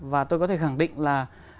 và tôi có thể khẳng định là